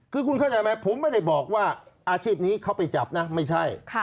คือคุณเข้าใจไหมผมไม่ได้บอกว่าอาชีพนี้เขาไปจับนะไม่ใช่